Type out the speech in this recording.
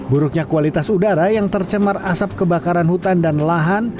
buruknya kualitas udara yang tercemar asap kebakaran hutan dan lahan